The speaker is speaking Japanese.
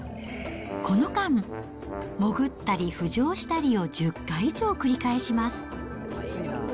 この間、潜ったり浮上したりを１０回以上繰り返します。